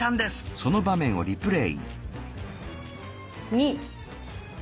２！